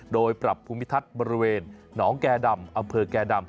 โดยปรับภูมิทัศน์บริเวณหนองแก่ดำอำเภอแก่ดำ